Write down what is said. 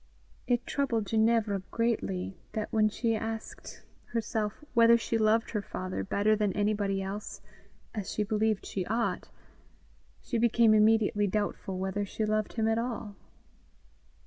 It troubled Ginevra greatly that, when she asked herself whether she loved her father better than anybody else, as she believed she ought, she became immediately doubtful whether she loved him at all.